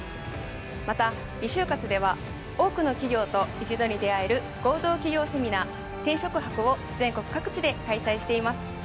またＲｅ就活では多くの企業と一度に出会える合同企業セミナー転職博を全国各地で開催しています。